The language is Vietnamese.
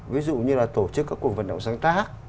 ví dụ như là tổ chức các cuộc vận động sáng tác